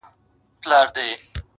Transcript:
تر تا د مخه ما پر ایښي دي لاسونه؛